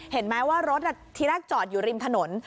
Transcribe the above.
เห็นไหมว่ารถที่แรกจอดอยู่ริมถนน